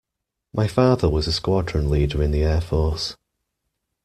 My father was a Squadron Leader in the Air Force